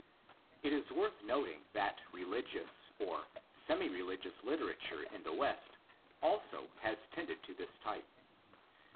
It is worth noting that religious or semi religious litera ture in the West also has tended to this type.